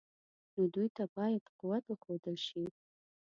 نو دوی ته باید قوت وښودل شي.